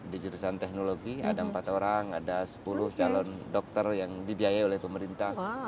di jurusan teknologi ada empat orang ada sepuluh calon dokter yang dibiayai oleh pemerintah